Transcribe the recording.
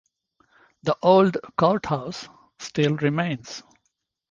The old Courthouse still remains.